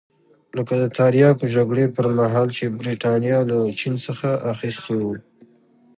لکه د تریاکو جګړې پرمهال چې برېټانیا له چین څخه اخیستي وو.